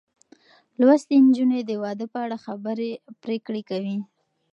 لوستې نجونې د واده په اړه خبرې پرېکړې کوي.